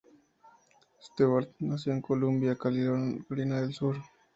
Stewart nació en Columbia, Carolina del Sur.